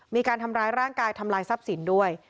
มีการทำร้ายร่างกายทำลายทรัพย์สินด้วย